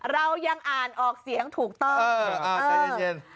เรายังอ่านออกเสียงถูกต้องใจเย็น